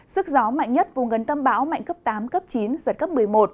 sức gió mạnh nhất vùng gần tâm bão mạnh cấp tám cấp chín giật cấp một mươi một